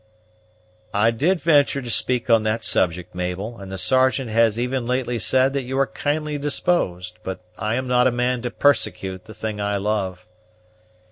"I did ventur' to speak on that subject, Mabel, and the Sergeant has even lately said that you are kindly disposed; but I am not a man to persecute the thing I love."